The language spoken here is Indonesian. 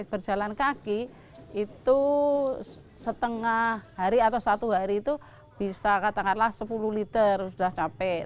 berjalan kaki itu setengah hari atau satu hari itu bisa katakanlah sepuluh liter sudah capek